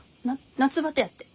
夏バテやって。